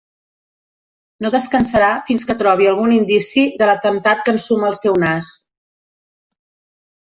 No descansarà fins que trobi algun indici de l'atemptat que ensuma el seu nas.